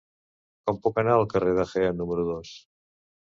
Com puc anar al carrer de Jaén número dos?